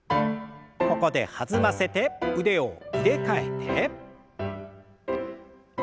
ここで弾ませて腕を入れ替えて。